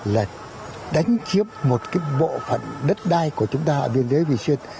là đánh chiếm một cái bộ phận đất đai của chúng ta ở biên giới vị xuyên